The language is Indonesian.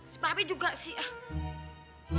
si babe juga sih